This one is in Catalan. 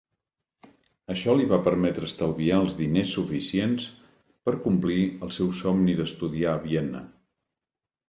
Això li va permetre estalviar els diners suficients per complir el seu somni d"estudiar a Vienna.